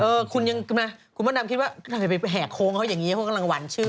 เออคุณยังคุณพระดำคิดว่าทำไมไปแห่โค้งเขาอย่างนี้เขากำลังหวั่นชื่อ